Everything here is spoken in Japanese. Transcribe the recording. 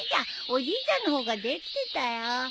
おじいちゃんの方ができてたよ。